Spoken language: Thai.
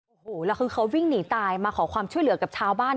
โอ้โหแล้วคือเขาวิ่งหนีตายมาขอความช่วยเหลือกับชาวบ้าน